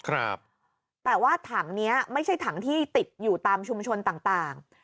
แต่ว่าถังนี้ไม่ใช่ถังที่ติดอยู่ตามชุมชนต่าง